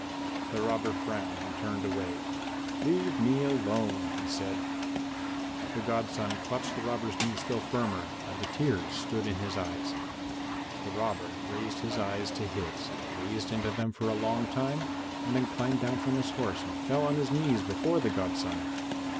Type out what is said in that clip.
The robber frowned and turned away. "Leave me alone," he said. The godson clutched the robber's knee still firmer and the tears stood in his eyes. The robber raised his eyes to his, gazed into them for a long time, then climbed down from his horse and fell on his knees before the godson.